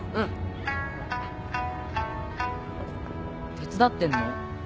手伝ってんの？